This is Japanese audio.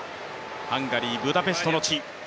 ハンガリー・ブダペストの地。